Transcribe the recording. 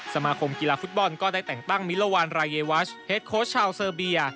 สมาคมกีฬาฟุตบอลก็ได้แต่งตั้งมิลวานรายวัชเฮดโค้ชชาวเซอร์เบีย